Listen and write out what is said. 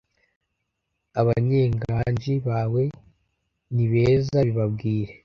abanyenganji bawe nibeza bibabwire